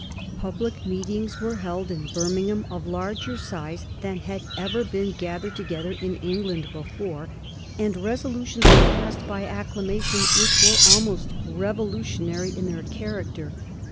Public meetings were held in Birmingham of larger size than had ever been gathered together in England before, and resolutions were passed by acclamation which were almost revolutionary in their character.